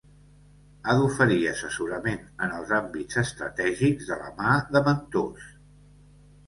Ha d'oferir assessorament en els àmbits estratègics, de la mà de mentors.